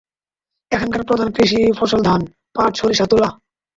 এখানকার প্রধান কৃষি ফসল ধান, পাট, সরিষা, তুলা।